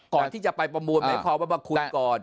ก่อนที่จะไปประมูลหมายความว่ามาคุยก่อน